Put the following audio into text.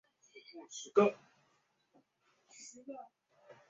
白花头嘴菊为菊科头嘴菊属的植物。